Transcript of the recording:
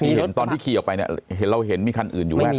มีรถประมาณตอนที่ขี่ออกไปเนี่ยเราเห็นมีคันอื่นอยู่แวดล่อ